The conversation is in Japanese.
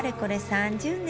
３０年。